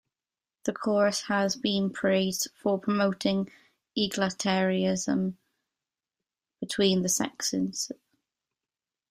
The chorus has been praised for promoting egalitarianism between the sexes.